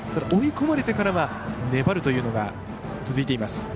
追い込まれてからは粘るというのが続いています。